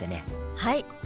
はい。